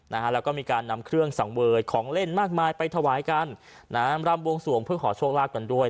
นะฮะแล้วก็มีการนำเครื่องสังเวยของเล่นมากมายไปถวายกันนะฮะรำบวงสวงเพื่อขอโชคลาภกันด้วย